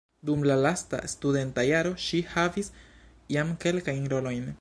Dum la lasta studenta jaro ŝi havis jam kelkajn rolojn.